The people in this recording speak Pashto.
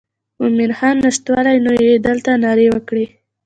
مومن خان نشتوالی نو یې دلته نارې وکړې.